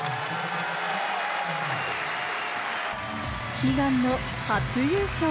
悲願の初優勝！